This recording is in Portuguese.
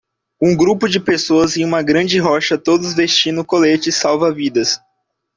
Um grupo de pessoas em uma grande rocha todos vestindo coletes salva-vidas.